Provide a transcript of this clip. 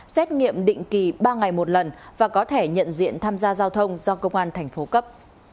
xét nghiệm định kỳ ba ngày một lần và có thể nhận diện tham gia giao thông do công an thành phố cấp